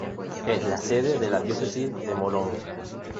Es la sede de la Diócesis de Morón.